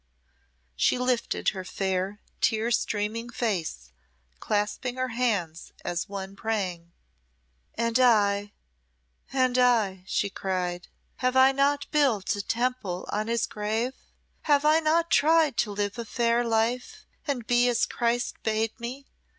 She lifted her fair, tear streaming face, clasping her hands as one praying. "And I and I," she cried "have I not built a temple on his grave? Have I not tried to live a fair life, and be as Christ bade me?